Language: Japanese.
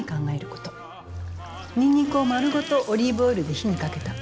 ニンニクを丸ごとオリーブオイルで火にかけた。